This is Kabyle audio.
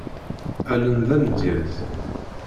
Allen d amedyaz.